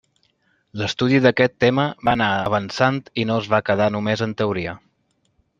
L'estudi d'aquest tema va anar avançant i no es va quedar només en teoria.